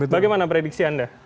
bagaimana prediksi anda